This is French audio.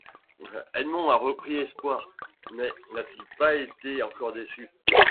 Edmond a repris espoir, mais n’a-t-il pas été encore déçu ?